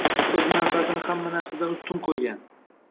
O`z manfaatini hamma narsadan ustun qo`ygan O`